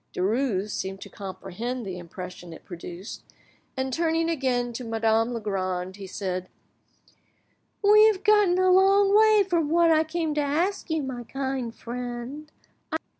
Derues seemed to comprehend the impression it produced, and tuning again to Madame Legrand, he said— "We have got a long way from what I came to ask you, my kind friend.